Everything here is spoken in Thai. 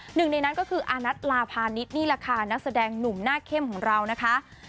หนึ่งในนั้นก็คืออานัทลาพาณิชย์นี่แหละค่ะนักแสดงหนุ่มหน้าเข้มของเรานะคะ